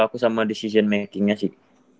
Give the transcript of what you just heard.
aku sama decision makingnya sih